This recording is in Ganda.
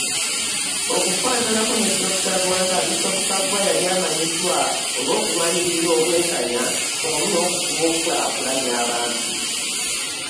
Okufaananako ne Dokita Lwanga, Bisoopu Kaggwa yali amanyiddwa olw’okulwanirira obwenkanya wamu n’okufuba okukulaakulanya abantu.